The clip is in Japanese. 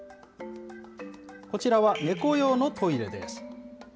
こちらは、猫用のトイレです。